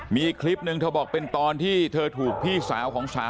มีคลิปหนึ่งเธอบอกเป็นตอนที่เธอถูกพี่สาวของสาว